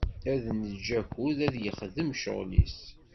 Ad neǧǧ akud ad yexdem ccɣel-is.